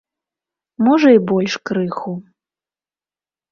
Можа і больш крыху.